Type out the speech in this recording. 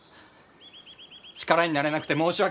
力になれなくて申し訳ない。